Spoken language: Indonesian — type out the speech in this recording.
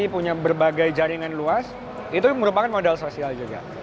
punya berbagai jaringan luas itu merupakan modal sosial juga